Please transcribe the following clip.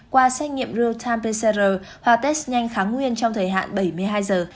qua xét nghiệm real time pcr test nhanh kháng nguyên trong thời hạn bảy mươi hai giờ